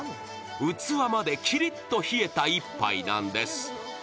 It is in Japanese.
器までキリッと冷えた１杯なんです